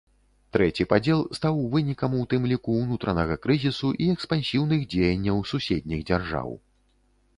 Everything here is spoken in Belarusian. Трэці падзел стаў вынікам у тым ліку ўнутранага крызісу і экспансіўных дзеянняў суседніх дзяржаў.